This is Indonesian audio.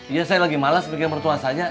iya saya lagi males mikirin mertua saya